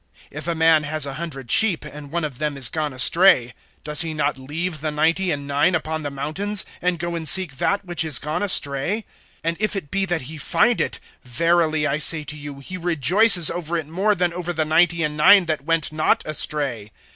If a man has a hundred sheep, and one of them is gone astray, does he not leave the ninety and nine upon the mountains, and go and seek that which is gone astray? (13)And if it be that he find it, verily I say to you, he rejoices over it more than over the ninety and nine that went not astray.